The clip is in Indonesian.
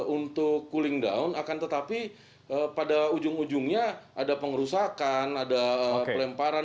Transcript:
untuk cooling down akan tetapi pada ujung ujungnya ada pengerusakan ada pelemparan